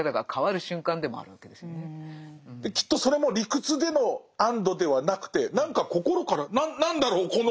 きっとそれも理屈での安堵ではなくて何か心から何だろう